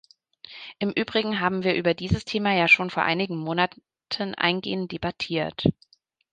Im übrigen haben wir über dieses Thema ja schon vor einigen Monaten eingehend debattiert.